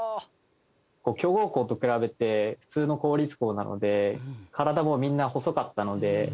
強豪校と比べて普通の公立校なので体もみんな細かったので。